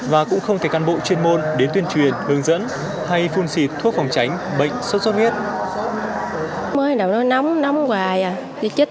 và cũng không thể cán bộ chuyên môn đến tuyên truyền hướng dẫn hay phun xịt thuốc phòng tránh bệnh sốt xuất huyết